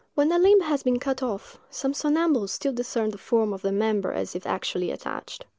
When a limb has been cut off, some somnambules still discern the form of the member as if actually attached.